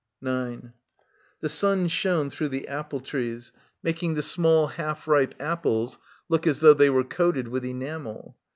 9 The sun shone through the apple trees, making the small half ripe apples look as though they were coated with enamel.